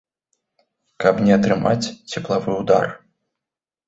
Каб не атрымаць цеплавы ўдар.